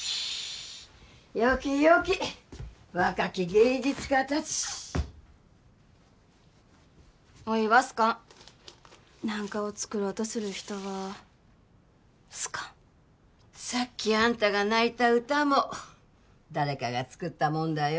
よきよき若き芸術家達おいは好かん何かを作ろうとする人は好かんさっきあんたが泣いた歌も誰かが作ったもんだよ